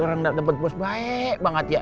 orang dapet dapet baik banget ya